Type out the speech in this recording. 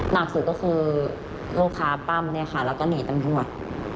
หลักสูก็คือโลคาร์ปั้มแล้วก็หนีตำรวจ